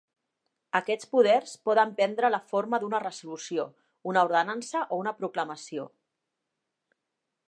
Aquests poders poden prendre la forma d'una resolució, una ordenança o una proclamació.